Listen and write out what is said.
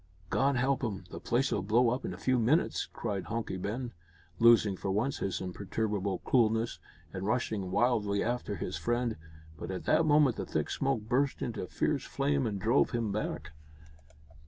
"God help him! the place'll blow up in a few minutes," cried Hunky Ben, losing, for once, his imperturbable coolness, and rushing wildly after his friend. But at that moment the thick smoke burst into fierce flame and drove him back.